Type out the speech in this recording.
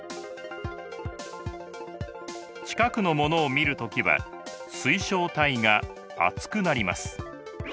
近くのものを見る時は水晶体が厚くなります。